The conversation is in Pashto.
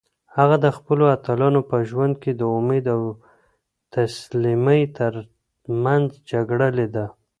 هغه د خپلو اتلانو په ژوند کې د امید او تسلیمۍ ترمنځ جګړه لیده.